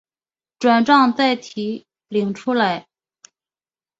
转帐再提领出来